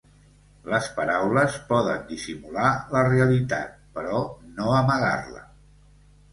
Les paraules poden dissimular la realitat, però no amagar-la.